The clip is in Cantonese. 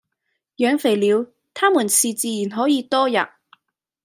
養肥了，他們是自然可以多喫；